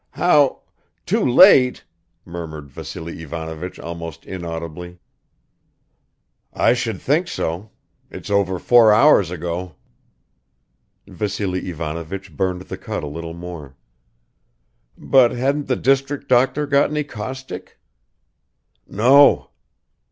"How ... too late ...?" murmured Vassily Ivanovich almost inaudibly. "I should think so! It's over four hours ago." Vassily Ivanovich burned the cut a little more. "But hadn't the district doctor got any caustic?" "No."